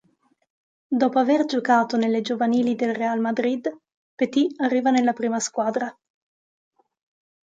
Dopo aver giocato nelle giovanili del Real Madrid, Petit arriva nella prima squadra.